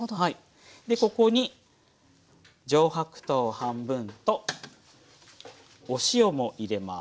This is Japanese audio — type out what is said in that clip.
でここに上白糖半分とお塩も入れます。